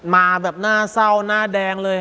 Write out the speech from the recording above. มาแบบน่าเศร้าหน้าแดงเลย